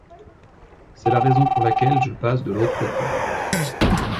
C'est la raison pour laquelle je passe de l'autre côté.